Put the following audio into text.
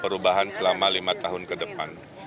perubahan selama lima tahun ke depan